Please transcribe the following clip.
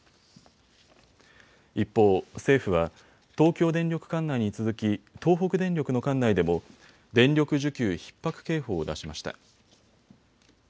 一方、政府は東京電力管内に続き東北電力の管内でも電力需給ひっ迫警報を出しました。